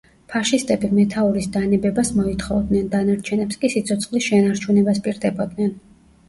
ფაშისტები მეთაურის დანებებას მოითხოვდნენ, დანარჩენებს კი სიცოცხლის შენარჩუნებას პირდებოდნენ.